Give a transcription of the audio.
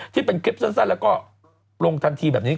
ที่เป็นคลิปสั้นแล้วก็ลงทันทีแบบนี้